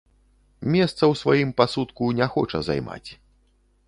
Месца ў сваім пасудку не хоча займаць.